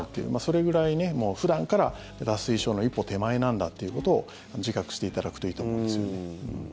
それぐらい、普段から脱水症の一歩手前なんだっていうことを自覚していただくといいと思うんですよね。